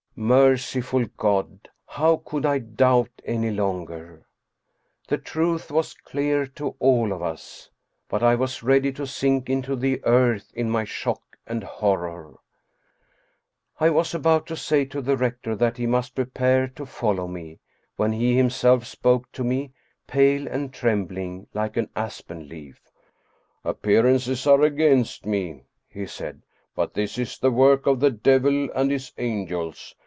Merciful God, how could I doubt any longer? The truth was clear to all of us. But I was ready to sink into the earth in my shock and horror. I was about to say to the rector that he must prepare to follow me, when he himself spoke to me, pale and trembling like an aspen leaf. " Appearances are against me," he said, " but this is the work of the devil and his angels.